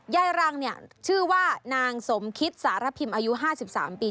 ยายรังชื่อว่านางสมคิตสารพิมพ์อายุ๕๓ปี